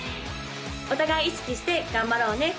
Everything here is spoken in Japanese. お互い意識して頑張ろうね